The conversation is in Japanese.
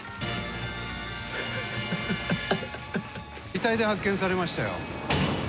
遺体で発見されましたよ。